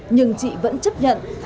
nhưng chị vẫn chấp nhận